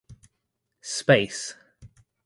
Space.